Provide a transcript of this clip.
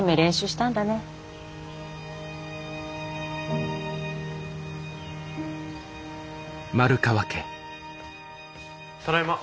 ただいま。